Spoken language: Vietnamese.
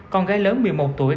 con gái lớn một mươi một tuổi